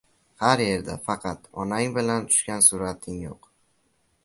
Har yerda... Faqat... Onang bilan tushgan surating yo‘q!